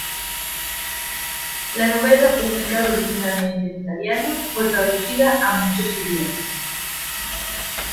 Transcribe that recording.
La novela, publicada originalmente en italiano, fue traducida a muchos idiomas.